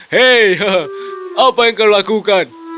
hei apa yang kau lakukan